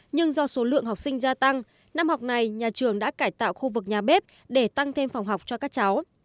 nhưng do số lượng học sinh gia tăng năm học này nhà trường đã cải tạo khu vực nhà bếp để tăng thêm phòng học cho các cháu